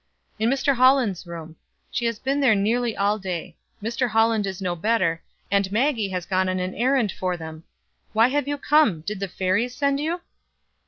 "In Mr. Holland's room. She has been there nearly all day. Mr. Holland is no better, and Maggie has gone on an errand for them. Why have you come? Did the fairies send you?"